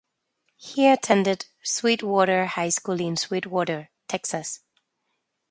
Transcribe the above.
He attended Sweetwater High School in Sweetwater, Texas.